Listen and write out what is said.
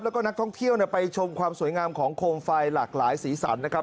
แล้วก็นักท่องเที่ยวไปชมความสวยงามของโคมไฟหลากหลายสีสันนะครับ